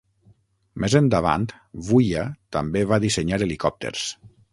Més endavant, Vuia també va dissenyar helicòpters.